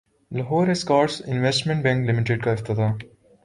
Lahore Escorts investment bank لمیٹڈکاافتتاح